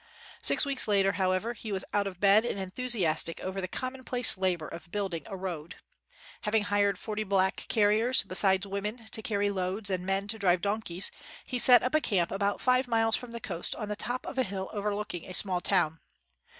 Six weeks later, however, he was out of bed and enthusiastic over the commonplace labor of building a road. Having hired forty black carriers, besides women to carry loads and men to drive donkeys, he set up a camp about five miles from the coast on the top of a hill overlooking a small town.